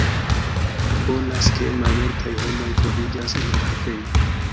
Bonas ke malmultaj homoj troviĝas en la kafejo.